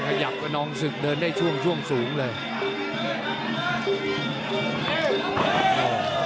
ไม่ค่อยขยับก็นองสึกเดินได้ช่วงช่วงสูงเลย